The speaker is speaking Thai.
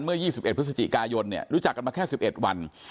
เมื่อยี่สิบเอ็ดพฤศจิกายนเนี่ยรู้จักกันมาแค่สิบเอ็ดวัน